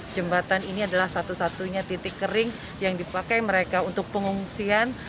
jembatan ini adalah satu satunya titik kering yang dipakai mereka untuk pengungsian